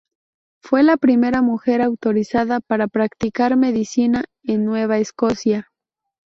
Fue la primera mujer autorizada para practicar medicina en Nueva Escocia.